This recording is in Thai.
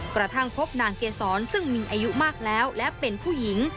กระทั่งพบนางเกษรซึ่งมีอายุมากแล้วและเป็นผู้หญิง